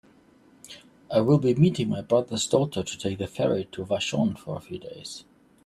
I will be meeting my brother's daughter to take the ferry to Vashon for a few days.